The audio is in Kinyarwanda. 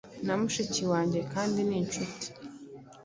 Na mushiki wanjyekandi ni nshuti.